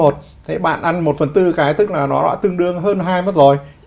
thế bạn ăn một phần tư cái tức là nó đã tương đương hơn hai mất rồi